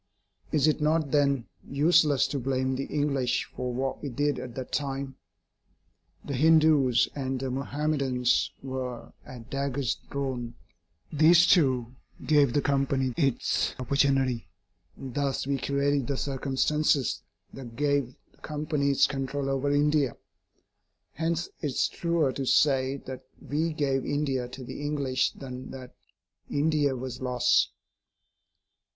Is it not then useless to blame the English for what we did at that time? The Hindus and the Mahomedans were at daggers drawn. This, too, gave the Company its opportunity; and thus we created the circumstances that gave the Company its control over India. Hence it is truer to say that we gave India to the English than that India was lost.